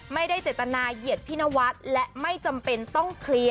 ไม่ได้เจตนาเหยียดพี่นวัดและไม่จำเป็นต้องเคลียร์